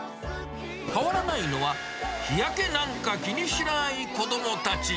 変わらないのは、日焼けなんか気にしない子どもたち。